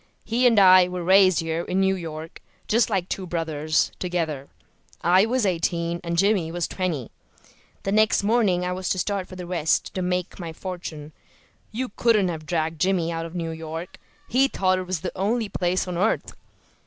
He and I were raised here in New York, just like two brothers, together. I was eighteen and Jimmy was twenty. The next morning I was to start for the West to make my fortune. You couldn't have dragged Jimmy out of New York; he thought it was the only place on earth.